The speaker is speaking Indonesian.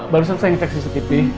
barusan saya ngecek cctv